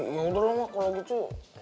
ya udah lah mak kalo gitu